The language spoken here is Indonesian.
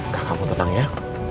nah kamu tenang ya